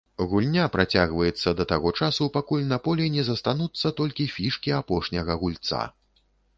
Гульня працягваецца да таго часу, пакуль на полі не застануцца толькі фішкі апошняга гульца.